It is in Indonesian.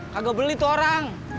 kagak beli tuh orang